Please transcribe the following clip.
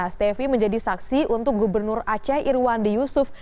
stefi menjadi saksi untuk gubernur aceh irwandi yusuf